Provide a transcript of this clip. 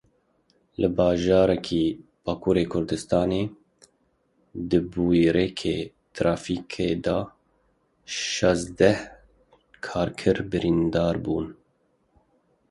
Li bajarekî Bakurê Kurdistanê di bûyereke trafîkê de şazdeh karker birîndar bûn.